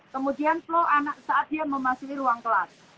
kemudian flow anak saat dia memasuki ruang kelas